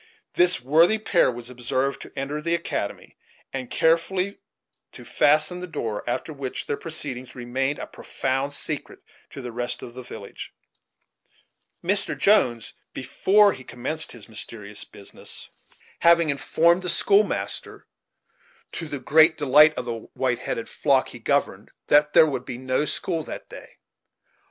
This worthy pair was observed to enter the academy, and carefully to fasten the door, after which their proceedings remained a profound secret to the rest of the village; Mr. Jones, before he commenced this mysterious business, having informed the school master, to the great delight of the white headed flock he governed, that there could be no school that day.